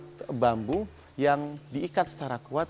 ini adalah sistem ikat bambu yang diikat secara kuat